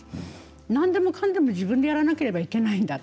何でもかんでも自分でやらなければいけないんだと。